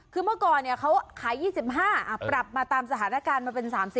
คือเมื่อก่อนเขาขาย๒๕ปรับมาตามสถานการณ์มาเป็น๓๐